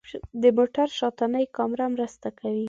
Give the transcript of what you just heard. د موټر شاتنۍ کامره مرسته کوي.